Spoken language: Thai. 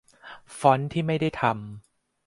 ฟอนต์ที่ไม่ได้ทำ